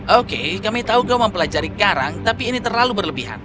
oke kami tahu kau mempelajari karang tapi ini terlalu berlebihan